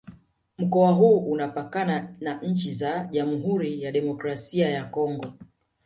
Mkoa huu Lunapakana na nchi za Jamhuri ya Kidemokrasi ya Kongo